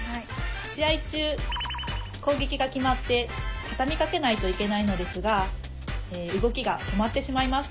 試合中攻撃が決まってたたみかけないといけないのですが動きが止まってしまいます。